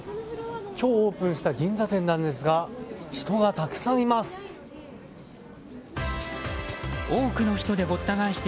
今日オープンした銀座店なんですが人がたくさんいます。